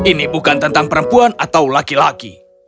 ini bukan tentang perempuan atau laki laki